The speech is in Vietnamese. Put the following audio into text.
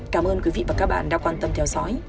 cảm ơn quý vị và các bạn đã quan tâm theo dõi